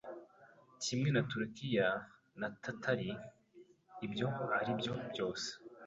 Kimwe na Turukiya na Tatari ibyo aribyo byose